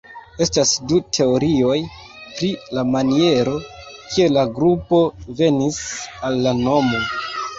Estas du teorioj pri la maniero, kiel la grupo venis al la nomo.